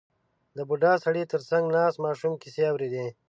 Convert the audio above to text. • د بوډا سړي تر څنګ ناست ماشوم کیسې اورېدې.